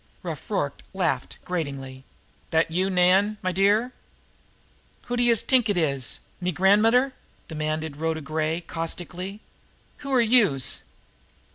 Rough Rorke laughed gratingly. "That you, Nan, my dear?" "Who d'youse t'ink it is me gran'mother?" demanded Rhoda Gray caustically. "Who are youse?"